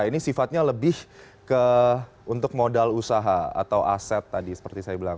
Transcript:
ini sifatnya lebih ke untuk modal usaha atau aset tadi seperti saya bilang